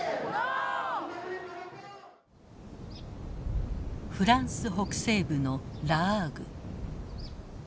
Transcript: フランス北西部のラアーグ。